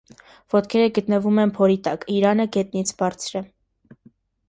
Ոտքերը գտնվում են փորի տակ, իրանը գետնից բարձր է։